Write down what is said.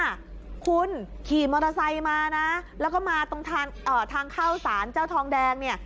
คุณขี่มอเตอร์ไซค์มานะแล้วก็มาตรงทางเข้าสารเจ้าทองแดงเนี่ย